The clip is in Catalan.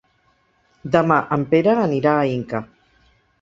Demà en Pere anirà a Inca.